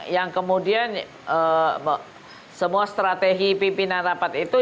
yang kemudian semua strategi pimpinan rapat itu